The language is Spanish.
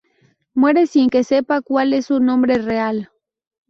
Muere sin que se sepa cuál es su nombre real.